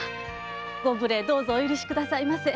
ご無礼どうぞお許しくださいませ。